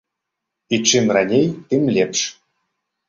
І чым раней, тым лепш.